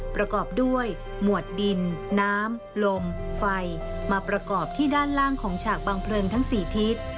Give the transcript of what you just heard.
ประกอบด้วยหมวดดินน้ำลมไฟมาประกอบที่ด้านล่างของฉากบางเพลิงทั้ง๔ทิศ